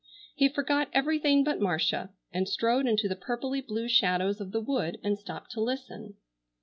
He forgot everything but Marcia, and strode into the purply blue shadows of the wood and stopped to listen.